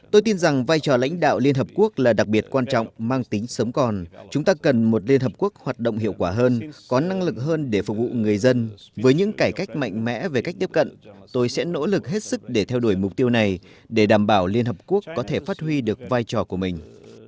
tôi tin rằng vai trò lãnh đạo liên hợp quốc là đặc biệt quan trọng mang tính sớm còn chúng ta cần một liên hợp quốc hoạt động hiệu quả hơn có năng lực hơn để phục vụ người dân với những cải cách mạnh mẽ về cách tiếp cận tôi sẽ nỗ lực hết sức để theo đuổi mục tiêu này để đảm bảo liên hợp quốc có thể phát huy được vai trò của mình